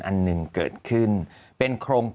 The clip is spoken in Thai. อันนึงเกิดขึ้น